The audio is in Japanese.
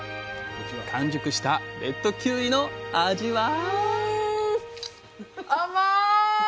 完熟したレッドキウイの味は？